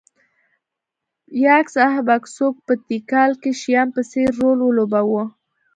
یاکس اهب اکسوک په تیکال کې شیام په څېر رول ولوباوه